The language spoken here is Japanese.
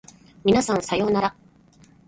皆さんさようなら